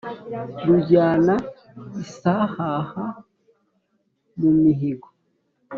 rujyana isahaha mu mihigo